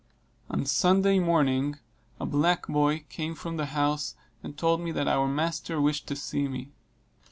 On next Sunday morning, a black boy came from the house, and told me that our master wished to see me.